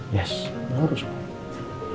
yes harus bu